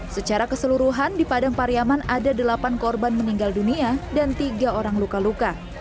secara keseluruhan di padang pariaman ada delapan korban meninggal dunia dan tiga orang luka luka